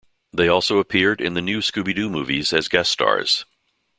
They also appeared in The New Scooby-Doo Movies as guest stars.